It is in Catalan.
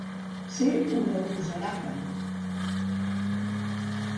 Ser una gusarapa.